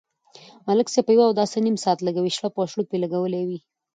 ملک صاحب په یوه اوداسه نیم ساعت لگوي، شړپ او شړوپ یې لگولی وي.